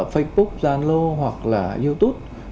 facebook zalo hoặc là youtube